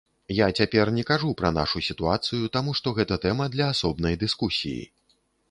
Я цяпер не кажу пра нашу сітуацыю, таму што гэта тэма для асобнай дыскусіі.